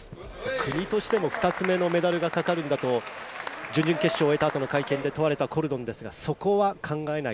国としても２つ目のメダルがかかるんだと準々決勝を終えたあとの会見で問われたコルドン、そこは考えない。